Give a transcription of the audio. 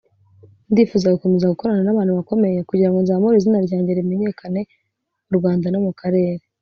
ndifuza gukomeza gukorana n’abantu bakomeye kugirango nzamure izina ryanjye rimenyekane mu Rwanda no mu Karere